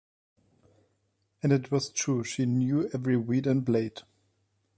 And it was true, she knew every weed and blade.